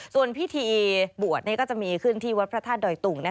ส่วนพิธีบวชก็จะมีขึ้นที่วัดพระธาตุดอยตุง